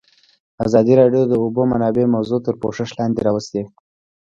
ازادي راډیو د د اوبو منابع موضوع تر پوښښ لاندې راوستې.